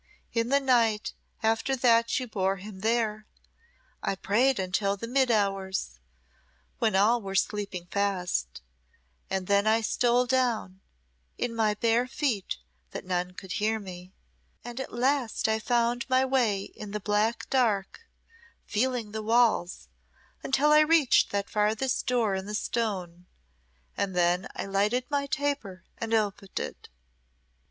In the night after that you bore him there I prayed until the mid hours, when all were sleeping fast and then I stole down in my bare feet, that none could hear me and at last I found my way in the black dark feeling the walls until I reached that farthest door in the stone and then I lighted my taper and oped it."